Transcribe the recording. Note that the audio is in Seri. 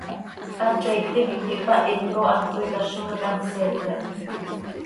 Hateiictim hipquih hpahinco, hant toii cazoj hac ano hseete aha.